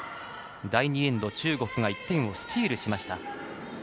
第２エンド、中国が１点スチールしました。